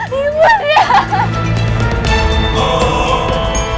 tidak tidak ibu nda